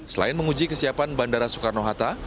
selain menguji kesiapan bandara soekarno hatta